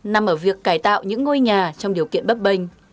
nằm ở việc cải tạo những ngôi nhà trong điều kiện bất bình